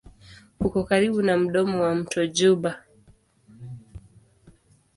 Uko karibu na mdomo wa mto Juba.